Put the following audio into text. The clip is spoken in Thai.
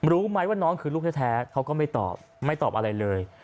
รู้ไหมว่าน้องคือลูกแท้เขาก็ไม่ตอบไม่ตอบอะไรเลย